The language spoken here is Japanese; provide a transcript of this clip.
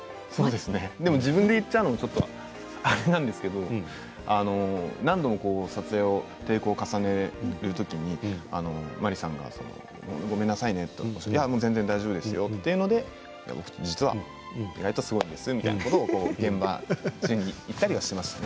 自分で言っちゃうのもあれなんですけれど何度も撮影をテイクを重ねるときにマリさんがごめんなさいねと全然大丈夫ですよというので実は意外とすごいんですよみたいな現場中に言ったりしていました。